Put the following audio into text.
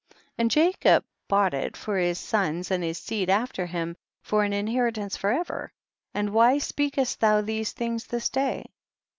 52. And Jacob bought it for his sons and his seed after him for an in heritance for ever, and why speakest thou these things this day